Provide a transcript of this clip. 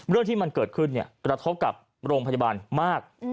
เรื่องที่มันเกิดขึ้นกระทบกับโรงพยาบาลมาก